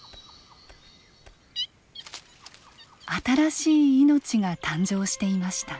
新しい命が誕生していました。